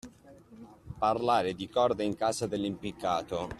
Parlare di corda in casa dell'impiccato.